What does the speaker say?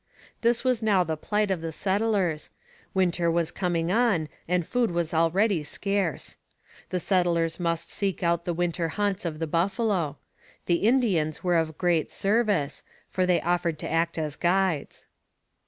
This was now the plight of the settlers: winter was coming on and food was already scarce. The settlers must seek out the winter haunts of the buffalo. The Indians were of great service, for they offered to act as guides.